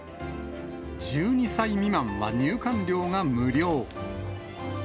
１２歳未満は入館料が無料。